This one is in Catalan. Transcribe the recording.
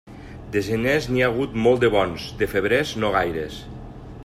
De geners n'hi ha hagut molts de bons; de febrers, no gaires.